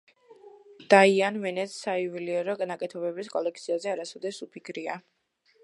დაიან ვენეტს საიუველირო ნაკეთობების კოლექციაზე არასოდეს უფიქრია.